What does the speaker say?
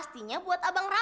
dia pake pantun segala